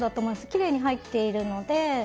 きれいに入っているので。